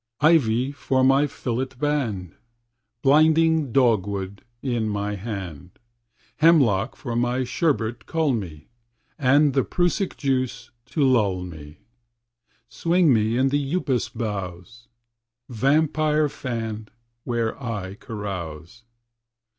Ivy for my fillet band; Blinding dog wood in my hand; Hemlock for my sherbet cull me, And the prussic juice to lull me; Swing me in the upas boughs, Vampyre fanned, when I carouse.